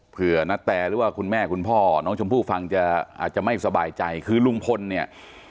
ณแตหรือว่าคุณแม่คุณพ่อน้องชมพู่ฟังจะอาจจะไม่สบายใจคือลุงพลเนี่ย